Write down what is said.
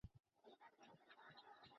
এখন, এখন, এখন।